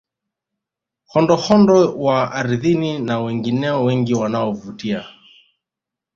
Hondohondo wa ardhini na wengineo wengi wanaovutia